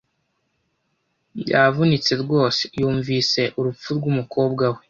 Yavunitse rwose yumvise urupfu rwumukobwa we.